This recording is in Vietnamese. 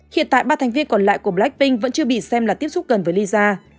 hiện tại ba thành viên còn lại của blackpink vẫn chưa bị xem là tiếp xúc gần với lisa